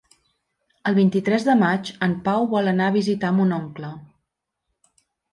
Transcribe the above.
El vint-i-tres de maig en Pau vol anar a visitar mon oncle.